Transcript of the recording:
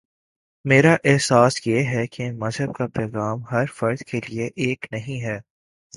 میرا احساس یہ ہے کہ مذہب کا پیغام ہر فرد کے لیے ایک نہیں ہے۔